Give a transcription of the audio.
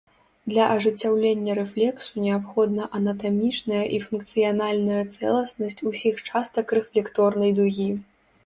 Для ажыццяўлення рэфлексу неабходна анатамічная і функцыянальная цэласнасць усіх частак рэфлекторнай дугі.